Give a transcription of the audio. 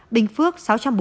bình phước sáu trăm bốn mươi